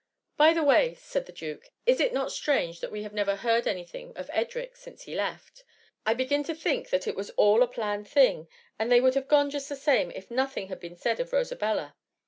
" By the way,^ said the duke> " is it not strange that we have never heard any thing of Edric since he left? I begin to think that it was all a planned thing, and they would have gone just the same if nothing had been said of Rosabella.